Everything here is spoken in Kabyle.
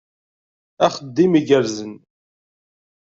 Axeddim igerrzen!